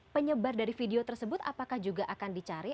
penyebar dari video tersebut apakah juga akan dicari